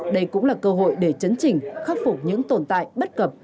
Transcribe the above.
đây cũng là cơ hội để chấn chỉnh khắc phục những tồn tại bất cập